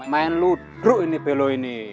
main ludruk ini belo ini